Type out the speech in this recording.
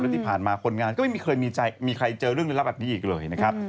แล้วที่ผ่านมาคนงานก็ไม่เคยมีใครเจอเรื่องลี้ลับแบบนี้อีกเลยนะครับ